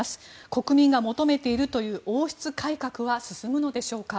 国民が求めているという王室改革は進むのでしょうか。